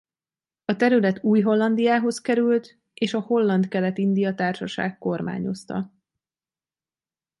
A terület Új Hollandiához került és a Holland Kelet-India Társaság kormányozta.